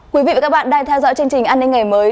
quý vị và các bạn đang theo dõi chương trình an ninh ngày mới